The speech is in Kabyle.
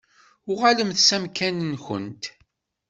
Uɣalemt s amkan-nkent.